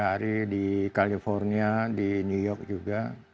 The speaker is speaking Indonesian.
tiga hari di california di new york juga